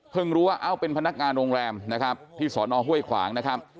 เพิ่งรู้ว่าเอ้าเป็นพนักงานโรงแรมที่สนห้วยขวาง